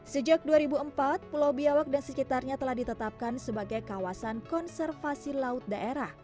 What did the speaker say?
sejak dua ribu empat pulau biawak dan sekitarnya telah ditetapkan sebagai kawasan konservasi laut daerah